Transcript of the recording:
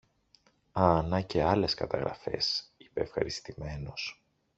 Α, να και άλλες καταγραφές, είπε ευχαριστημένος